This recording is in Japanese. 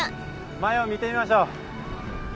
前を見てみましょう。